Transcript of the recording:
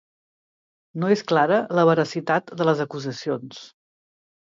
No és clara la veracitat de les acusacions.